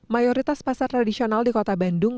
mayoritas pasar tradisional di kota bandung